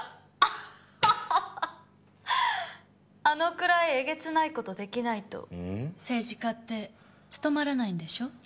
あのくらいえげつない事出来ないと政治家って務まらないんでしょ？